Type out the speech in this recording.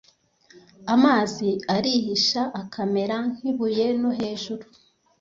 amazi arihisha akamera nk’ibuye, no hejuru